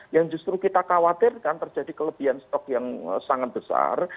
yang justru kita khawatirkan terjadi kelebihan stok yang sangat besar